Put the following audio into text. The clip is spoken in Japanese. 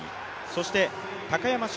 そして高山峻